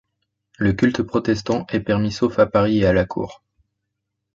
Le culte protestant est permis sauf à Paris et à la Cour.